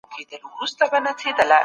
دیني احکام پر موږ د الله لورېینه ده.